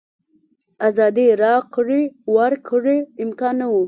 ازادې راکړې ورکړې امکان نه و.